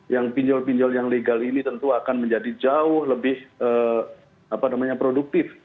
yang pinjol pinjol yang legal ini tentu akan menjadi jauh lebih produktif